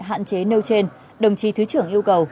hạn chế nêu trên đồng chí thứ trưởng yêu cầu